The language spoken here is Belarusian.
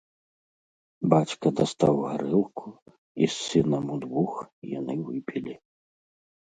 Бацька дастаў гарэлку, і з сынам удвух яны выпілі.